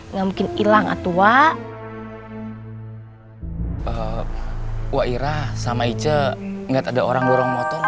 nggak mungkin hilang atau wa wa irah sama icet enggak ada orang orang motor